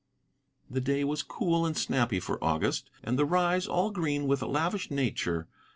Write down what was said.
The day was cool and snappy for August, and the Rise all green with a lavish nature.